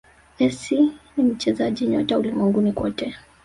essi ni mchezaji nyota ulimwenguni kote